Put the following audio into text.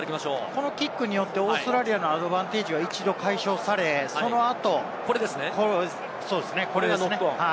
このキックによって、オーストラリアのアドバンテージが一度解消され、その後。